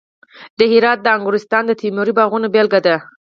د هرات د انګورستان د تیموري باغونو بېلګه ده